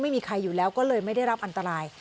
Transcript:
ไม่มีใครอยู่แล้วก็เลยไม่ได้รับอันตราย